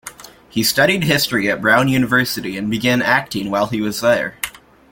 He studied history at Brown University, and began acting while he was there.